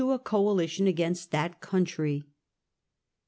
a coa jition against that country.